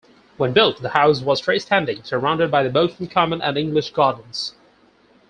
When built, the house was freestanding, surrounded by the Boston Common and English gardens.